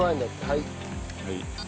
はい。